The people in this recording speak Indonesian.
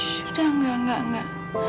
shhh udah enggak enggak enggak